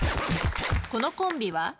このコンビは？